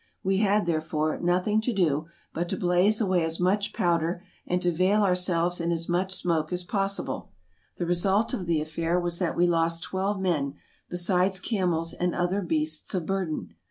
We had, therefore, nothing to do but to blaze away as much powder and to veil ourselves in as much smoke as possible ; the re sult of the affair was that we lost twelve men, besides camels and other beasts of burden.